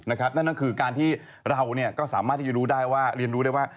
นั่นคือการที่เราก็สามารถเรียนรู้ได้ว่า